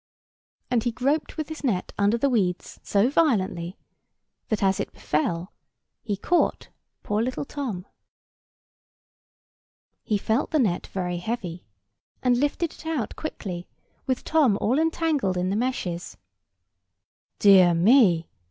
And he groped with his net under the weeds so violently, that, as it befell, he caught poor little Tom. He felt the net very heavy; and lifted it out quickly, with Tom all entangled in the meshes. "Dear me!"